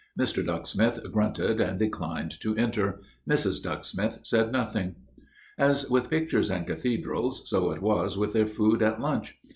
Mr. Ducksmith grunted and declined to enter; Mrs. Ducksmith said nothing. As with pictures and cathedrals, so it was with their food at lunch.